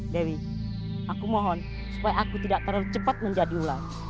dewi aku mohon supaya aku tidak terlalu cepat menjadi ulang